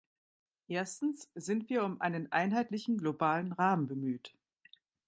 Erstens sind wir um einen einheitlichen globalen Rahmen bemüht.